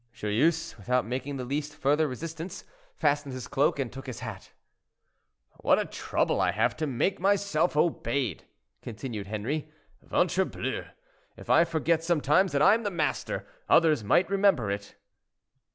Joyeuse, without making the least further resistance, fastened his cloak and took his hat. "What a trouble I have to make myself obeyed," continued Henri. "Ventrebleu! if I forget sometimes that I am the master, others might remember it."